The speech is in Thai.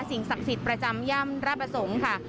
สิ่งศักดิ์สิทธิ์ประจำย่ำราประสงค์ค่ะ